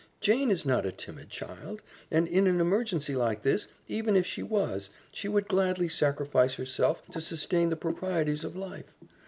Jane is not a timid child, and in an emergency like this, even if she was, she would gladly sacrifice herself to sustain the proprieties of life.